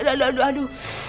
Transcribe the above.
aduh aduh aduh